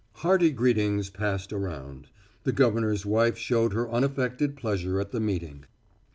Hearty greetings passed around. The governor's wife showed her unaffected pleasure at the meeting.